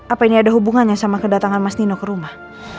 apa ini ada hubungannya sama kedatangan mas dino ke rumah